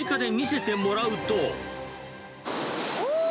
おー！